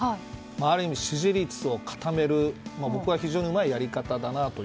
ある意味、支持率を固める僕は非常にうまいやり方だなと。